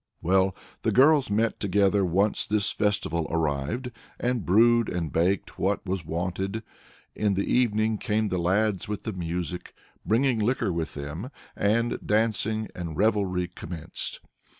Well, the girls met together once when this festival arrived, and brewed and baked what was wanted. In the evening came the lads with the music, bringing liquor with them, and dancing and revelry commenced.